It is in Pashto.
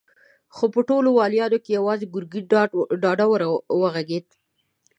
خو په ټولو واليانو کې يواځې ګرګين ډاډه وغږېد.